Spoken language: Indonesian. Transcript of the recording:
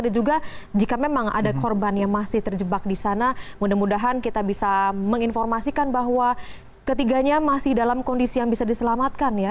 ada juga jika memang ada korban yang masih terjebak di sana mudah mudahan kita bisa menginformasikan bahwa ketiganya masih dalam kondisi yang bisa diselamatkan ya